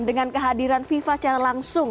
dengan kehadiran fifa secara langsung